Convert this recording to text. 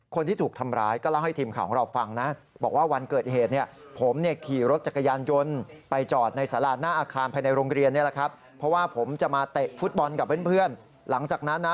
คนที่ถูกทำร้ายก็เล่าให้ทีมข่าวของเราฟังนะ